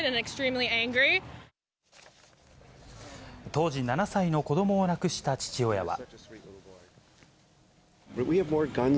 当時７歳の子どもを亡くした父親は。